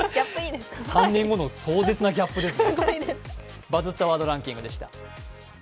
３年後の壮絶なギャップですね。